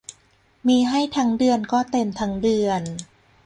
มีให้ทั้งเดือนก็เต็มทั้งเดือน